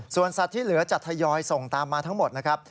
ส่วนสัตว์ที่เหลือจะทยอยส่งตามมาทั้งหมดนะครับ